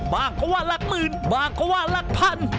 บางก็ว่าละหมื่นบางก็ว่าละพัน